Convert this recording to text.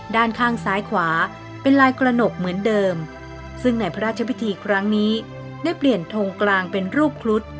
ด้านข้างซ้ายขวาเป็นลายกระหนกเหมือนเดิมซึ่งในพระราชพิธีครั้งนี้ได้เปลี่ยนทงกลางเป็นรูปครุฑ